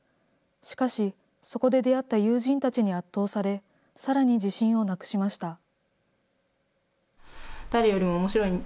しかし、そこで出会った友人たちに圧倒され、さらに自信をなくしました。